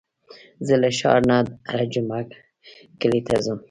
زه له ښار نه هره جمعه کلي ته ځم.